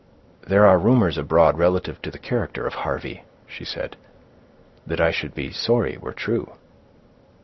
"There are rumors abroad relative to the character of Harvey," she said, "that I should be sorry were true."